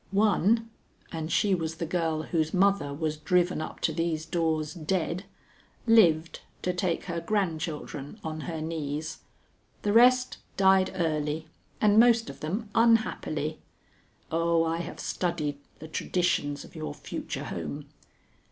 "One and she was the girl whose mother was driven up to these doors dead lived to take her grandchildren on her knees. The rest died early, and most of them unhappily. Oh, I have studied the traditions of your future home!